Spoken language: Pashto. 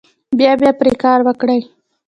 بیا بیا پرې کار وکړئ.